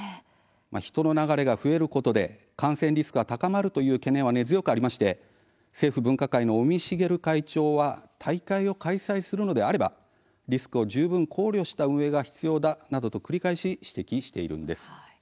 人の流れが増えることで感染リスクは高まるという懸念は根強くありまして政府分科会の尾身茂会長は大会を開催するのであればリスクを十分考慮した運営が必要だなどと繰り返し指摘しているんです。